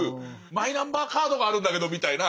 マイナンバーカードもあるんだけどみたいな。